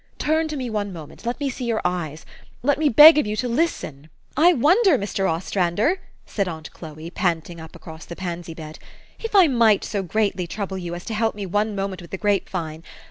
Turn to me one moment. Let me see your eyes. Let me beg of you to listen " "I wonder, Mr. Ostrander," said aunt Chloe, panting up across the pansy bed, "if I might so greatly trouble you as to help me one moment with the grape vine.